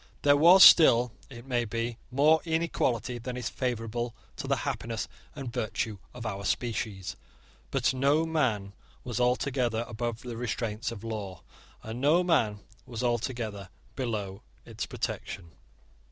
There was still, it may be, more inequality than is favourable to the happiness and virtue of our species: but no man was altogether above the restraints of law; and no man was altogether below its protection.